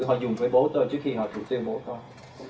họ dùng với bố tôi trước khi họ thủ tiêu bố tôi